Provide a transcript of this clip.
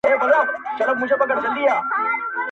هغه ګوتي په اور سوځي چي قلم یې چلولی -